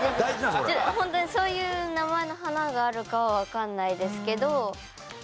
ホントにそういう名前の花があるかはわかんないですけど。